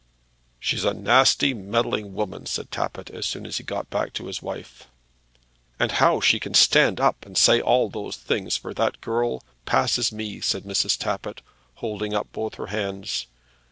"She's a nasty meddlesome woman," said Tappitt, as soon as he got back to his wife. "And how ever she can stand up and say all those things for that girl, passes me!" said Mrs. Tappitt, holding up both her hands.